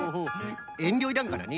えんりょいらんからね。